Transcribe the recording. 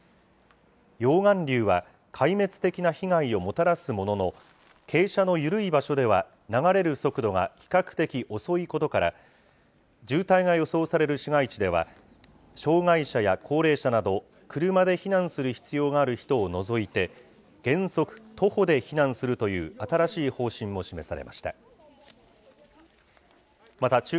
溶岩流は、壊滅的な被害をもたらすものの、傾斜の緩い場所では流れる速度が比較的遅いことから、渋滞が予想される市街地では、障害者や高齢者など、車で避難する必要がある人を除いて、原則、徒歩で避難するという新しい方針も示されました。